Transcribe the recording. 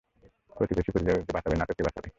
প্রতিবেশী প্রতিবেশীকে বাঁচাবে নাতো কে বাঁচাবে?